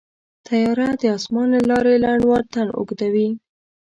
طیاره د اسمان له لارې لنډ واټن اوږدوي.